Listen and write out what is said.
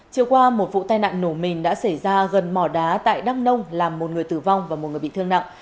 chiều qua một vụ tai nạn nổ mìn đã xảy ra gần mỏ đá tại đắk nông làm một người tử vong và một người bị thương nặng